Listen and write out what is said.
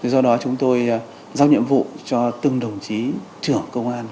do đó chúng tôi giao nhiệm vụ cho từng đồng chí trưởng công an